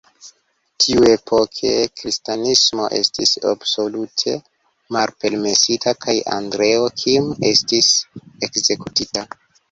Tiuepoke kristanismo estis absolute malpermesita kaj Andreo Kim estis ekzekutita.